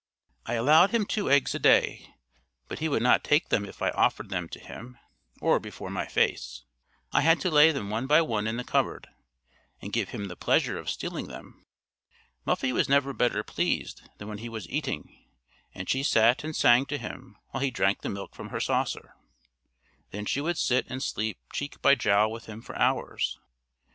I allowed him two eggs a day, but he would not take them if I offered them to him, or before my face; I had to lay them one by one in the cupboard, and give him the pleasure of stealing them. Muffie was never better pleased than when he was eating, and she sat and sang to him while he drank the milk from her saucer. Then she would sit and sleep cheek by jowl with him for hours.